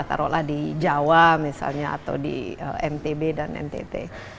taruhlah di jawa misalnya atau di ntb dan ntt